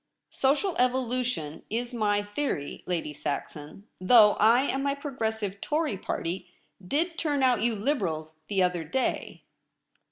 Social evolution Is my theory. Lady Saxon, though I and my Progressive Tory Party did turn out you Liberals the other day.'